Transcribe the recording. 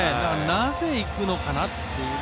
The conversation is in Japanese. なぜ行くのかなという。